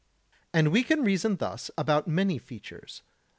And we can reason thus about many features.